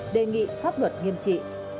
đề nghị pháp luật nghiêm trị